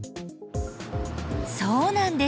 そうなんです